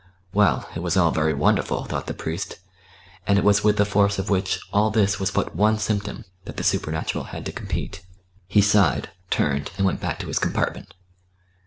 Well, it was all very wonderful, thought the priest, and it was with the force of which all this was but one symptom that the supernatural had to compete. He sighed, turned, and went back to his compartment.